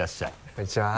こんにちは。